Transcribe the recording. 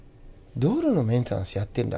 道路のメンテナンスやってんだ